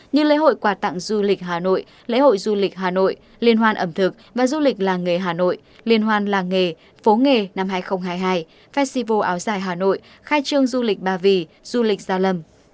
như lễ hội quà tặng du lịch hà nội lễ hội du lịch hà nội liên hoan ẩm thực và du lịch làng nghề hà nội liên hoan làng nghề phố nghề năm hai nghìn hai mươi hai festival áo dài hà nội khai trương du lịch ba vì du lịch gia lâm